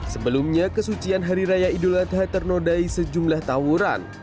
sebelumnya kesucian hari raya idul adha ternodai sejumlah tawuran